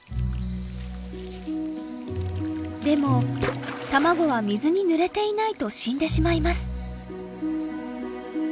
でも卵は水にぬれていないと死んでしまいます。